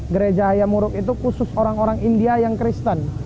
gereja hayamuruk itu khusus orang orang india yang kristen